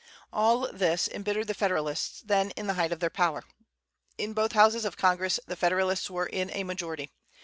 All this embittered the Federalists, then in the height of their power. In both houses of Congress the Federalists were in a majority.